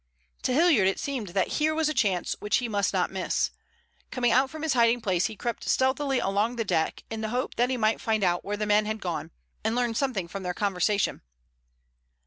To Hilliard it seemed that here was a chance which he must not miss. Coming out from his hiding place, he crept stealthily along the deck in the hope that he might find out where the men had gone, and learn something from their conversation.